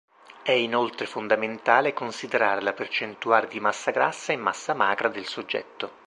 È inoltre fondamentale considerare la percentuale di massa grassa e massa magra del soggetto.